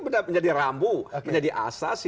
menjadi rambu menjadi asas